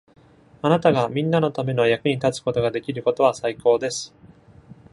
あなたが皆のための役に立つことができることは、最高です。